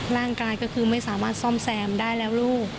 ร่างกายก็คือไม่สามารถซ่อมแซมได้แล้วลูก